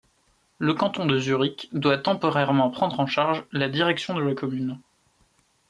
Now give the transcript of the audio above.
Le canton de Zurich doit temporairement prendre en charge la direction de la commune.